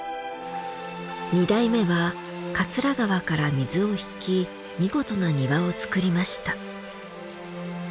二代目は桂川から水を引き見事な庭を造りました。